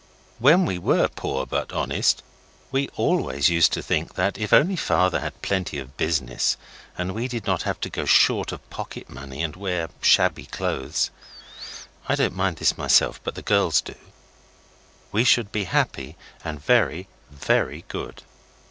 When we were poor but honest we always used to think that if only Father had plenty of business, and we did not have to go short of pocket money and wear shabby clothes (I don't mind this myself, but the girls do), we should be happy and very, very good.